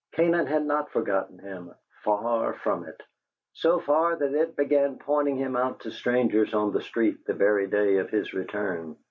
Canaan had not forgotten him far from it! so far that it began pointing him out to strangers on the street the very day of his return.